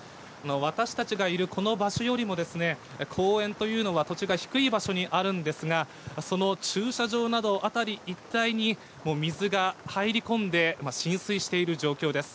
私たちがいるこの場所よりも、公園というのは土地が低い場所にあるんですが、その駐車場など、辺り一帯に、もう水が入り込んで浸水している状況です。